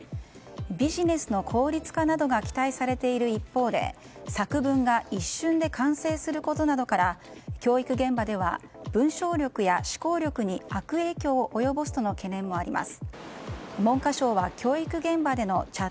ビジネスの効率化などが期待されている一方で作文が一瞬で完成することなどから教育現場では、文章力や思考力に悪影響を及ぼすとの懸念もあります。